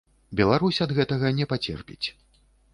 Беларусь ад гэтага не пацерпіць.